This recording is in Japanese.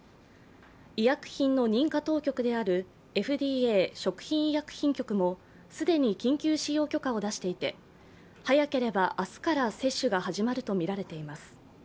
医薬品の認可当局であるＦＤＡ＝食品医薬品局も既に緊急使用許可を出していて、早ければ明日から接種が始まるとみられています。